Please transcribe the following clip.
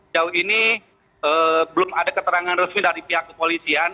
jauh ini belum ada keterangan resmi dari pihak kepolisian